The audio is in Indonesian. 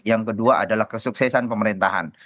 yang kedua adalah kesuksesan pemerintahan